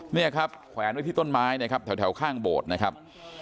เนี่ยครับแขวนไว้ที่ต้นไม้นะครับแถวข้างโบสถ์นะครับ